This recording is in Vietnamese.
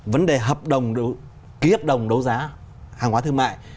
vấn đề hợp đồng ký hợp đồng đấu giá hàng hóa thương mại